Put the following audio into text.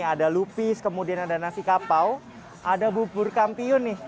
ada lupis kemudian ada nasi kapau ada bubur kampiun nih